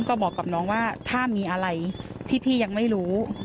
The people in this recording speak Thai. ก็บอกกับน้องว่าถ้ามีอะไรที่พี่ยังไม่รู้